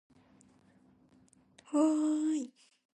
Stanley's most recent cinematic efforts include a number of short films.